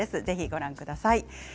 ぜひご覧ください。